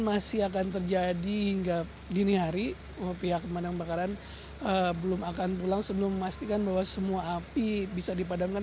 masih akan terjadi hingga dini hari pihak pemandang bakaran belum akan pulang sebelum memastikan bahwa semua api bisa dipadamkan